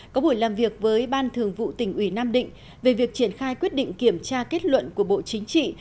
có buổi làm việc với ban thường vụ tỉnh ủy nam định về việc triển khai quyết định kiểm tra kết luận của bộ chính trị